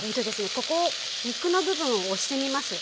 ここを肉の部分を押してみます。